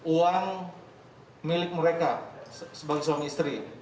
uang milik mereka sebagai suami istri